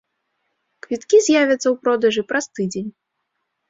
Квіткі з'явяцца ў продажы праз тыдзень.